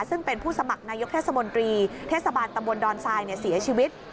ซึ่งเป็นผู้สมัครนายกเทศมนตรีเทศบาลตำบลดอนทรายเสียชีวิต